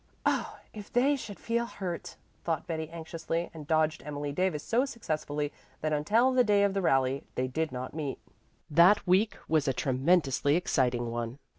"Oh, if they should feel hurt!" thought Betty anxiously, and dodged Emily Davis so successfully that until the day of the rally they did not meet. That week was a tremendously exciting one.